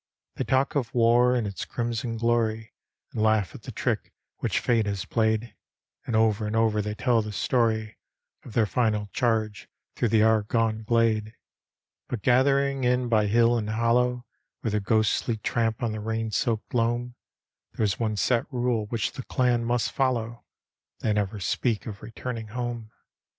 They talk of war and its crimson glory, And laugh at the trick which Fate has played; And over and over they tell the story Of their final charge through the Argonne glade; But gathering in by hill and hollow With their ghostly tramp on the rain soaked loam, There is one set rule which the clan must follow: They never speak of returning home.